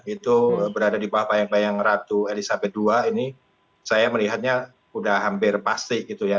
itu berada di bawah bayang bayang ratu elizabeth ii ini saya melihatnya sudah hampir pasti gitu ya